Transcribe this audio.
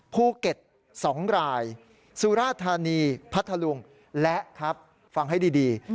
ภูเก็ต๒รายสุราธานีพัทธลุงและครับฟังให้ดี